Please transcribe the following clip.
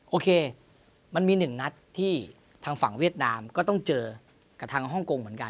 โอเคมันมีหนึ่งนัดที่ทางฝั่งเวียดนามก็ต้องเจอกับทางฮ่องกงเหมือนกัน